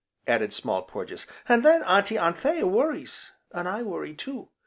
added Small Porges, "an' then Auntie Anthea worries, an' I worry too.